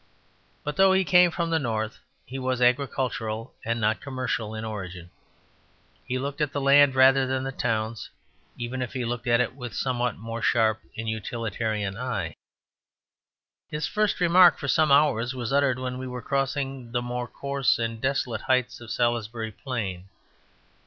But though he came from the north he was agricultural and not commercial in origin; he looked at the land rather than the towns, even if he looked at it with a somewhat more sharp and utilitarian eye. His first remark for some hours was uttered when we were crossing the more coarse and desolate heights of Salisbury Plain.